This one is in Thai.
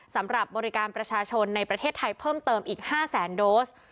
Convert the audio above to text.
สำหรับบริการประชาชนในประเทศไทยเพิ่มเติมอีก๕แสนโดส